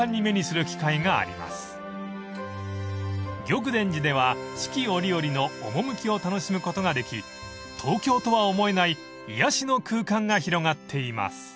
［玉傳寺では四季折々の趣を楽しむことができ東京とは思えない癒やしの空間が広がっています］